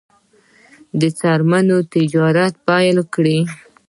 د څرمنو تجارت یې پیل کړ.